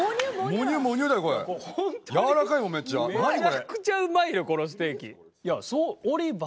めちゃくちゃうまいよこのステーキ。